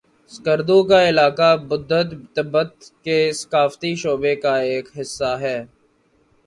اسکردو کا علاقہ بدھت تبت کے ثقافتی شعبے کا ایک حصہ تھا